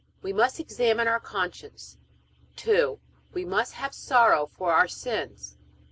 We must examine our conscience. 2. We must have sorrow for our sins.